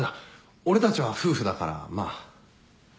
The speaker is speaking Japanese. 俺たちは夫婦だからまあ。